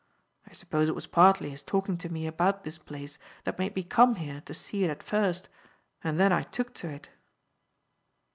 I suppose it was partly his talking to me about this place that made me come here to see it at first, and then I took to it."